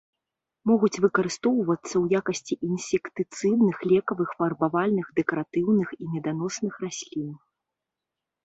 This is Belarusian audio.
Могуць выкарыстоўвацца ў якасці інсектыцыдных, лекавых, фарбавальных, дэкаратыўных і меданосных раслін.